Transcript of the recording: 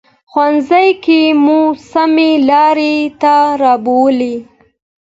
ښوونکی موږ سمې لارې ته رابولي.